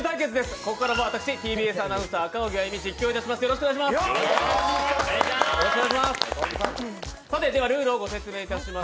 ここからは私ＴＢＳアナウンサー赤荻歩実況します。